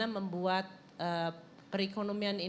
dan juga pengelola marta lastly